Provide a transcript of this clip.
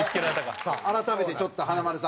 さあ改めてちょっと華丸さん。